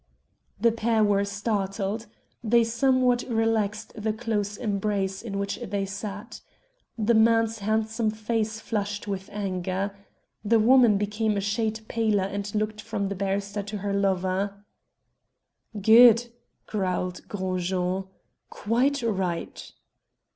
The pair were startled. They somewhat relaxed the close embrace in which they sat. The man's handsome face flushed with anger. The woman became a shade paler and looked from the barrister to her lover. "Good," growled Gros Jean. "Quite right!"